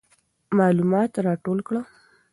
معلومات راټول کړه.